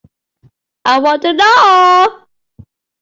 I want to know.